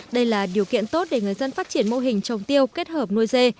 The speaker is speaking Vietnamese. đây là điều kiện tốt để người dân phát triển mô hình trồng tiêu kết hợp nuôi dê